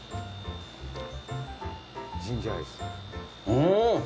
うん。